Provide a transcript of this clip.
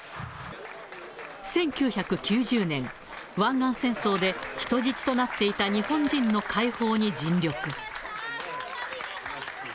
１９９０年、湾岸戦争で、人質となっていた日本人の解放に尽力。